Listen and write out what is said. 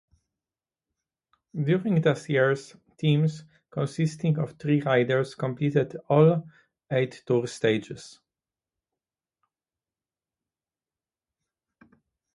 During these years, teams consisting of three riders competed at all eight Tour stages.